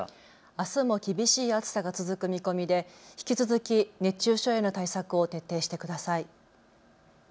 あすも厳しい暑さが続く見込みで引き続き熱中症への対策を徹底してください。